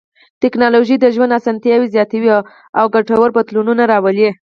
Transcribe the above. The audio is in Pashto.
ټکنالوژي د ژوند اسانتیاوې زیاتوي او ګټور بدلونونه راولي.